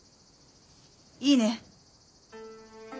いいね？